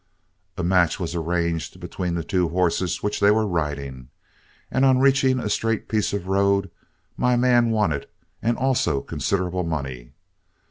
A match was arranged between the two horses which they were riding, and on reaching a straight piece of road, my man won it and also considerable money.